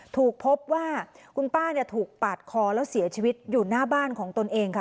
ถูกพบว่าคุณป้าถูกปาดคอแล้วเสียชีวิตอยู่หน้าบ้านของตนเองค่ะ